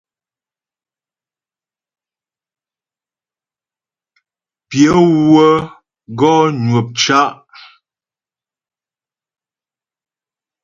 Pyə wə́ gɔ nwə̂p cá'.